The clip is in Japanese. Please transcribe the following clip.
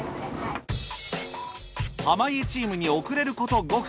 濱家チームに遅れること５分。